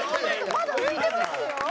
まだ浮いてますよ！